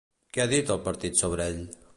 Què ha dit el partit sobre ell?